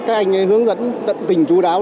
các anh ấy hướng dẫn tỉnh chú đáo